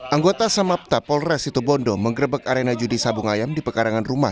anggota samapta polres situbondo mengerebek arena judi sabung ayam di pekarangan rumah